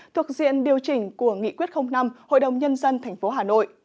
thuộc diện điều chỉnh của nghị quyết năm hội đồng nhân dân tp hà nội